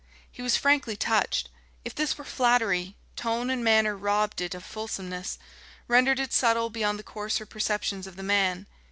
He was frankly touched. If this were flattery, tone and manner robbed it of fulsomeness, rendered it subtle beyond the coarser perceptions of the man.